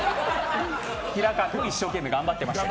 平川君も一生懸命頑張ってました。